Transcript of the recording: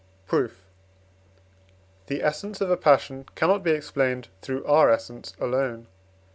Proof. The essence of a passion cannot be explained through our essence alone (III.